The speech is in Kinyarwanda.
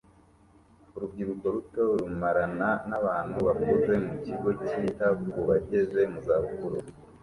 Urubyiruko ruto rumarana nabantu bakuze mu kigo cyita ku bageze mu za bukuru